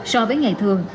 so với ngày thường